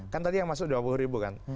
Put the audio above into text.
kan tadi yang masuk dua puluh ribu kan